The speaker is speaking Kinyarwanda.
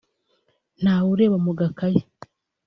nta wureba mu gakayi